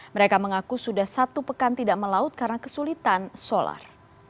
mereka mengaku sudah satu pekan tidak melaut karena kesulitan solar